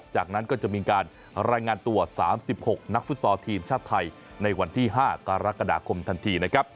จากนั้นก็จะมีการรายงานตัว๓๖นักฟุตซอลทีมชาติไทยในวันที่๕กรกฎาคมทันทีนะครับ